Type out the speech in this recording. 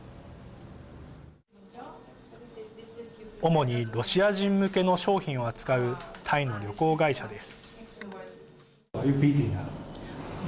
主にロシア人向けの商品を扱うタイの旅行会社です。